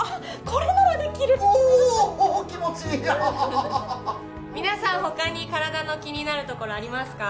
これならできるおお気持ちいいハハハハ皆さん他に体の気になるところありますか？